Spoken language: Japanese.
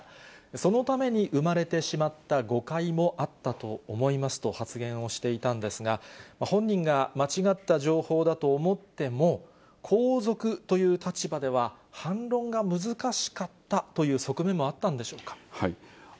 そのために生まれてしまった誤解もあったと思いますと発言をしていたんですが、本人が間違った情報だと思っても、皇族という立場では反論が難しかったという側面もあったんでしょうか。